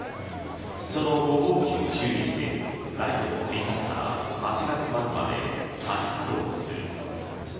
その５号機を修理して来月１日から８月末まで再稼働する。